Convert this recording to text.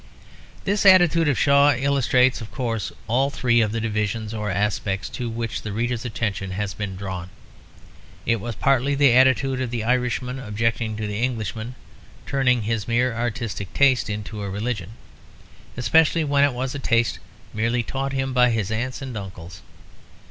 This attitude of Shaw illustrates of course all three of the divisions or aspects to which the reader's attention has been drawn. It was partly the attitude of the Irishman objecting to the Englishman turning his mere artistic taste into a religion; especially when it was a taste merely taught him by his aunts and uncles.